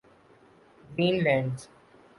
green land